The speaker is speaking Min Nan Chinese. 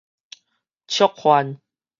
觸犯